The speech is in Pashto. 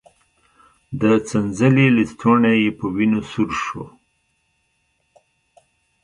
د څنځلې لستوڼی يې په وينو سور شو.